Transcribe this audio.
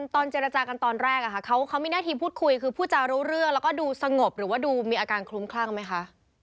ตอนเจรจากันตอนแรกเขามีหน้าที่พูดคุยคือพูดจารู้เรื่องแล้วก็ดูสงบหรือว่าดูมีอาการคลุ้มคลั่งไหมคะ